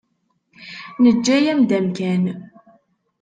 Neǧǧa-yam-d amkan.